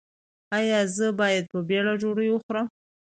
ایا زه باید په بیړه ډوډۍ وخورم؟